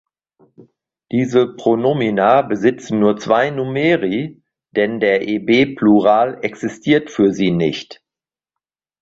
Diese Pronomina besitzen nur zwei Numeri, denn der eb-Plural existiert für sie nicht.